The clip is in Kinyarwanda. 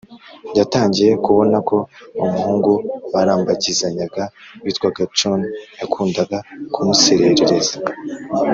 Yatangiye kubona ko umuhungu barambagizanyaga witwaga john yakundaga kumuserereza